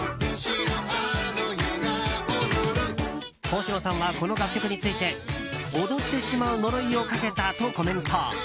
星野さんは、この楽曲について踊ってしまう呪いをかけたとコメント。